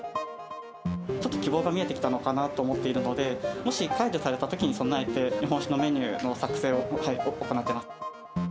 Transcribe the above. ちょっと希望が見えてきたのかなと思っているので、もし、解除されたときに備えて、日本酒のメニューの作成を行っています。